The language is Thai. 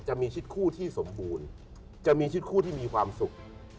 จะมีชิดคู่ที่สมบูรณ์จะมีชิดคู่ที่มีความสุข